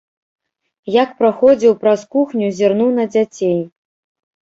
Як праходзіў праз кухню, зірнуў на дзяцей.